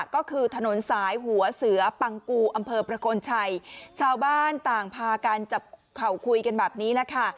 ก็คือถนนสายหัวเสือปังกูอำเภอประกลชัยชาวบ้านต่างพากันจับเข่าคุยกันแบบนี้แหละค่ะ